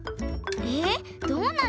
えっどうなるの？